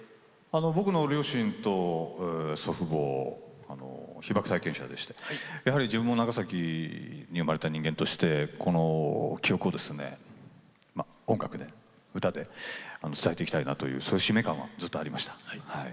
僕の両親と祖父母は被爆体験者でして自分も長崎で生まれた者としてこの記憶をですね、音楽で、歌で伝えていきたいなというそういう使命感はずっとありました。